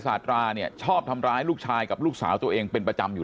สาตราเนี่ยชอบทำร้ายลูกชายกับลูกสาวตัวเองเป็นประจำอยู่